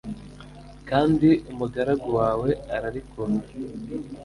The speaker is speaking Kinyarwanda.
kandi umugaragu wawe ararikunda